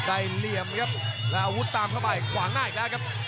เหลี่ยมครับแล้วอาวุธตามเข้าไปขวางหน้าอีกแล้วครับ